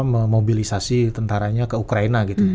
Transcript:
memobilisasi tentaranya ke ukraina gitu